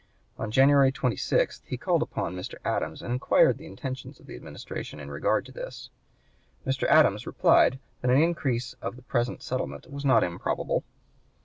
On January 26 he called upon Mr. Adams and inquired the intentions of the Administration in regard to this. Mr. Adams replied that an increase of the present settlement was not improbable.